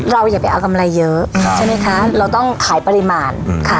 อย่าไปเอากำไรเยอะใช่ไหมคะเราต้องขายปริมาณค่ะ